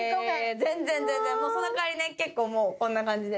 その代わりね結構もうこんな感じで。